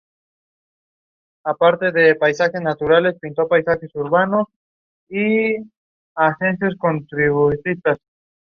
Muere de leucemia.